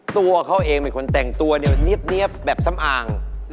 ตัวเขาเองเป็นคนแต่งตัวเนี๊ยบแบบสำอาง